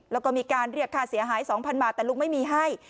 แล้วก็มีการเรียกค่าเสียหาย๒๐๐บาทแต่ลุงไม่มีให้